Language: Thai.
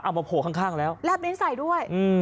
เอ้าพอโผงข้างแล้วแลบลิ้นใส่ด้วย